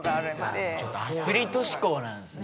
アスリート志向なんですね。